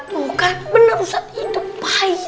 tuh kan bener ustadz itu pahit